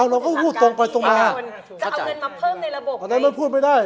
อันนั้นไม่ได้พูดแต่ว่าอันนี้คืองหลักการ